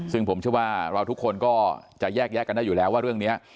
ซึ่งผมเชื่อว่าเราทุกคนก็จะแยกแยะกันได้อยู่แล้วว่าเรื่องนี้